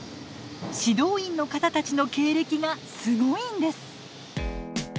指導員の方たちの経歴がすごいんです。